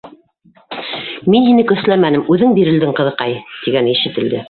Мин һине көсләмәнем, үҙең бирелдең, ҡыҙыҡай, - тигәне ишетелде.